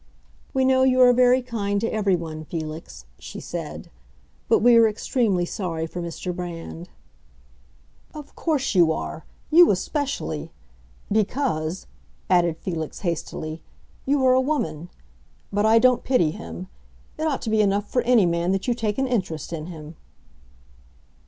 "We know you are very kind to everyone, Felix," she said. "But we are extremely sorry for Mr. Brand." "Of course you are—you especially! Because," added Felix hastily, "you are a woman. But I don't pity him. It ought to be enough for any man that you take an interest in him."